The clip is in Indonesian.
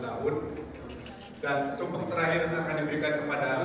dan tumpang terakhir akan diberikan kepada